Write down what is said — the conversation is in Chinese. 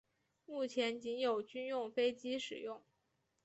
目前仅有军用飞机使用。